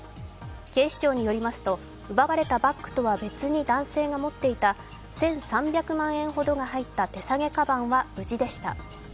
警視庁によりますと、奪われたバッグとは別に男性が持っていた１３００万円ほどが入っていた手提げカバンは無事でした。